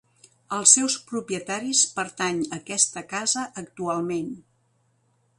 Als seus propietaris pertany aquesta casa actualment.